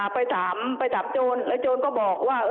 ไปถามไปถามโจรแล้วโจรก็บอกว่า